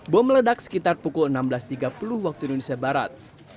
bom meledak sekitar pukul enam belas tiga puluh waktu indonesia barat